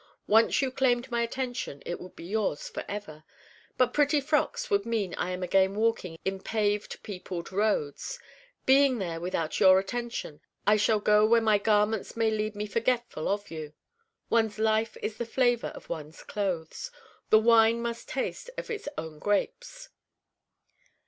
Once you claimed my attention it would be yours forever. But pretty frocks would mean I am again walking in paved peopled roads. Being there without your attention I shall go where my garments may lead me forgetful of you. One's life is of the flavor of one's clothes: 'the wine must taste of its own grapes.